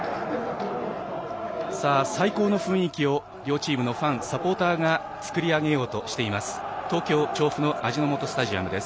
最高の雰囲気を両チームのファンサポーターが作り上げようとしています。